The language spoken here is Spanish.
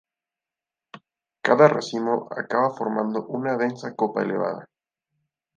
Cada racimo acaba formando una densa copa elevada.